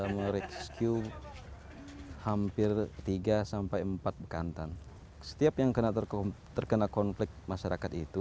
merescue hampir tiga sampai empat bekantan setiap yang kena terkena konflik masyarakat itu